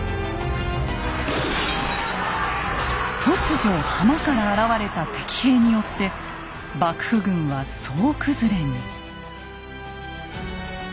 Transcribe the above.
突如浜から現れた敵兵によって幕府軍は総崩れに。